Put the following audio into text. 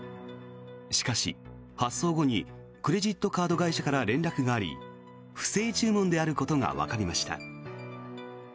しかし、発送後にクレジットカード会社から連絡があり不正注文であることが分かりました。